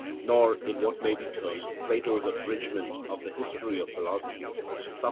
Nor in what may be termed Plato's abridgement of the history of philosophy (Soph.)